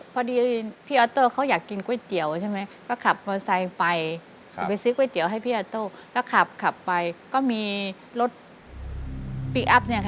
พอดีพี่อาต้อเขาอยากกินก๋วยเตี๋ยวใช่ไหมก็ขับบ